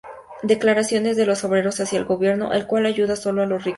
Declaraciones de los obreros hacia el gobierno, el cual ayuda solo a los ricos.